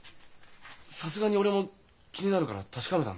さすがに俺も気になるから確かめたんだ。